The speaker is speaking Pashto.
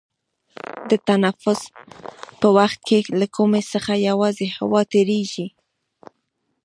د تنفس په وخت کې له کومي څخه یوازې هوا تیرېږي.